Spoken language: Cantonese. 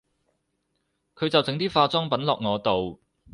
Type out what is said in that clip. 佢就整啲化妝品落我度